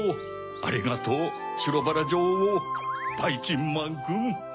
ありがとうしろバラじょおうばいきんまんくん。